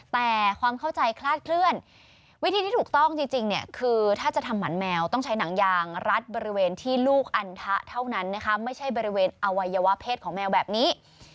แต่ความเข้าใจคลาดเคลื่อนวิธีที่ถูกต้องจริงเนี่ยคือถ้าจะทำหมันแมวต้องใช้หนังยางรัดบริเวณที่ลูกอันทะเท่านั้นนะคะไม่ใช่บริเวณอวัยวะเพศของแมวแบบนี้